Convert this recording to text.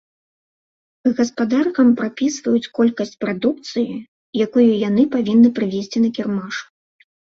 Гаспадаркам прапісваюць колькасць прадукцыі, якую яны павінны прывезці на кірмаш.